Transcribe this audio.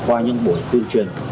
qua những buổi tuyên truyền